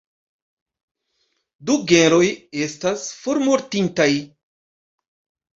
Du genroj estas formortintaj.